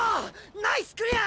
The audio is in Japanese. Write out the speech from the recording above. ナイスクリア！